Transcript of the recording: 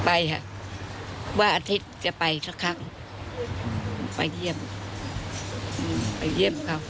ไปค่ะว่าอาทิตย์จะไปสักครั้งไปเยี่ยมเขา